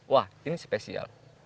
wah ini spesial